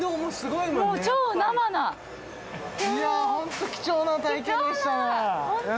いやぁホント貴重な体験でした。